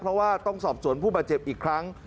เพราะว่าต้องสอบสวนผู้บาดเจ็บอีกครั้ง